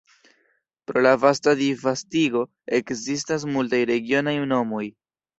Pro la vasta disvastigo ekzistas multaj regionaj nomoj.